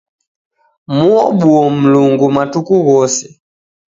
Muobuo Mlungu matuku ghose